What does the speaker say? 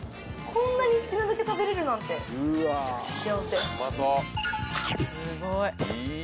こんなに好きなだけ食べれるなんてめちゃくちゃ。